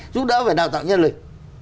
giúp đỡ về đào tạo nhân lực